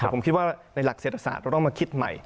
แต่ผมคิดว่าในหลักเศรษฐศาสตร์เราต้องมาคิดใหม่